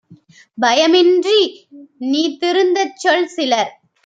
பயமின்றி நீதிருந் தச்சொல்! - சிலர்